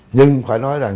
nhưng phải nói là